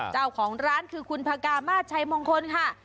เจ้าของร้านคือคุณพระกามาชัยมงคลค่ะ